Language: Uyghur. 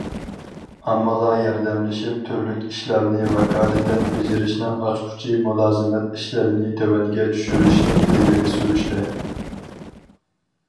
ئاممىغا ياردەملىشىپ تۈرلۈك ئىشلارنى ۋاكالىتەن بېجىرىشنىڭ ئاچقۇچى مۇلازىمەت ئىشلىرىنى تۆۋەنگە چۈشۈرۈشنى ئىلگىرى سۈرۈشتە.